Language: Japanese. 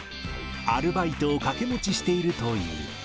アルバイトを掛け持ちしているという。